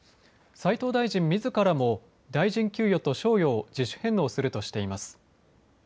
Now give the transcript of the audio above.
斉藤大臣みずからも大臣給与と賞与を自主返納するとしています。